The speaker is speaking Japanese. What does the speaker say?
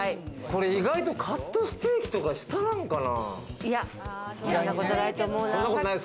これ、意外とカットステーキそんなことない。